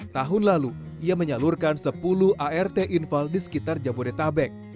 tahun lalu ia menyalurkan sepuluh art infal di sekitar jabodetabek